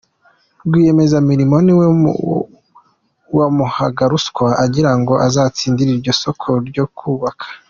Rwiyemezamirimo niwe wamuhaga ruswa agira ngo azatsindire iryo soko ryo kubaka.